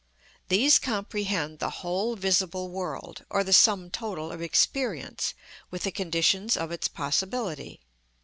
These comprehend the whole visible world, or the sum total of experience, with the conditions of its possibility.